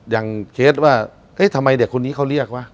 อย่างเคสว่าทำไมเด็กคนนี้เขาเรียกว่ะ